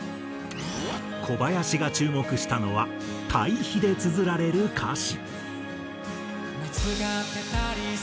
小林が注目したのは対比でつづられる歌詞。